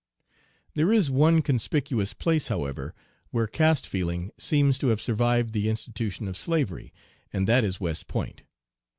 "There is one conspicuous place, however, where caste feeling seems to have survived the institution of slavery, and that is West Point.